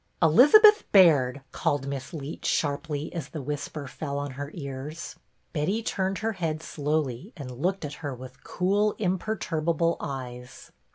'"" Elizabeth Baird," called Miss Leet, sharply as the whisper fell on her ears. Betty turned her head slowly and looked at her with cool imperturbable eyes.